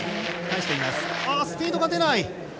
スピードが出ない。